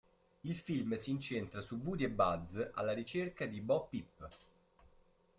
Il film si incentra su Woody e Buzz alla ricerca di Bo Peep.